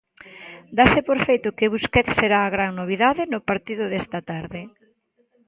Dáse por feito que Busquets será a gran novidade no partido desta tarde.